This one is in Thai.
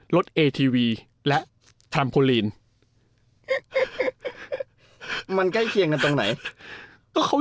รถเอทีวีและคลัมพอลีนมันใกล้เคียงนะตรงไหนก็เขา